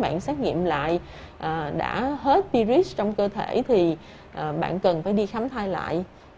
bạn xét nghiệm lại đã hết virus trong cơ thể thì bạn cần phải đi khám thai lại